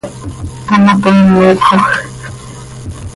Hamatoonipxoj.